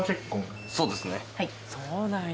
そうなんや。